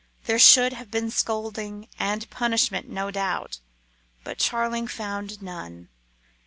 There should have been scolding and punishment, no doubt, but Charling found none.